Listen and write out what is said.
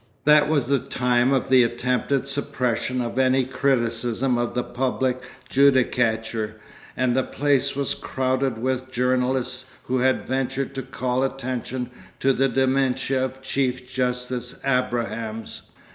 That was the time of the attempted suppression of any criticism of the public judicature and the place was crowded with journalists who had ventured to call attention to the dementia of Chief Justice Abrahams.